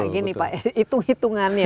gini pak hitung hitungannya